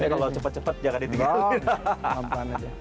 tapi kalau cepet cepet jangan ditinggalin